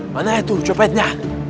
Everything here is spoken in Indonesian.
mana itu copetnya